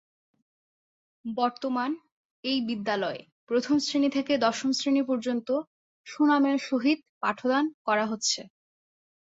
বর্তমান এই বিদ্যালয়ে প্রথম শ্রেনী থেকে দশম শ্রেনী পর্যন্ত সুনামের সহিত পাঠদান করে হচ্ছে।